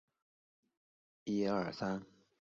雷彻让里奇调查一个军事承包商。